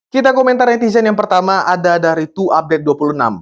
kita komentar netizen yang pertama ada dari dua update dua puluh enam